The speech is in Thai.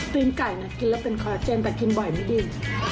ืนไก่นะกินแล้วเป็นคอเจมส์แต่กินบ่อยไม่ดี